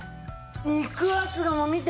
肉厚もう見て。